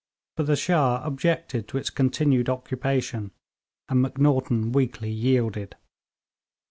But the Shah objected to its continued occupation, and Macnaghten weakly yielded.